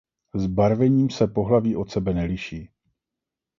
Zbarvením se pohlaví od sebe neliší.